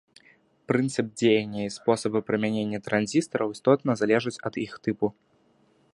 Прынцып дзеяння і спосабы прымянення транзістараў істотна залежаць ад іх тыпу.